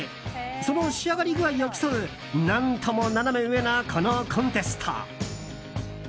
その仕上がり具合を競う何ともナナメ上なこのコンテスト。